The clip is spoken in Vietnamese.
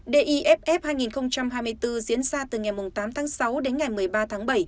diff hai nghìn hai mươi bốn diễn ra từ ngày tám tháng sáu đến ngày một mươi ba tháng bảy